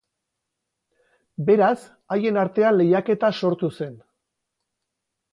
Beraz, haien artean lehiaketa sortu zen.